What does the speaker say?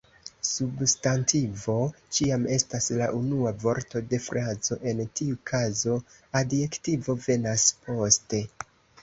Substantivo ĉiam estas la unua vorto de frazo, en tiu kazo, adjektivo venas poste.